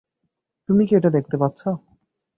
তুমি কি এটা দেখতে পাচ্ছো?